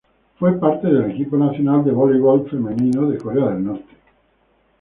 Fue parte del equipo nacional de voleibol femenino de Corea del Norte.